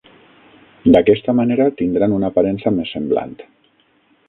D'aquesta manera tindran una aparença més semblant.